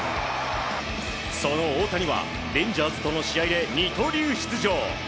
その大谷はレンジャーズとの試合で二刀流出場。